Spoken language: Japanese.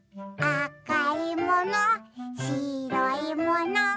「あかいもの？